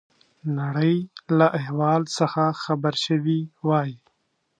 نړۍ له احوال څخه خبر شوي وای.